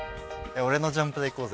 俺のジャンプ台行こうぜ。